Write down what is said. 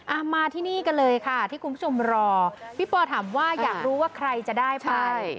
มาที่นี่กันเลยค่ะที่คุณผู้ชมรอพี่ปอถามว่าอยากรู้ว่าใครจะได้ไป